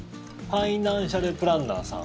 ファイナンシャルプランナーさん。